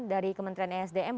dari kementerian esdm